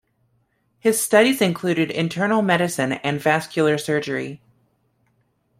His studies included internal medicine and vascular surgery.